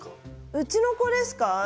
うちの子ですか？